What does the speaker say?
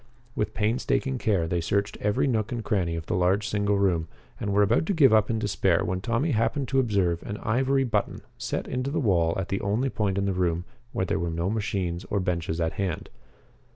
With painstaking care they searched every nook and cranny of the large single room and were about to give up in despair when Tommy happened to observe an ivory button set into the wall at the only point in the room where there were no machines or benches at hand.